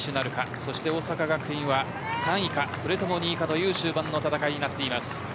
そして、大阪学院は３位かそれとも２位かという終盤の戦いです。